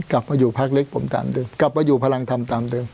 กลับมาอยู่พักเล็กผมตามเดิมกลับมาอยู่พลังธรรมตามเดิม